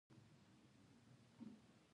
د افغانانو ميړانه په تاریخ کې ثبت ده.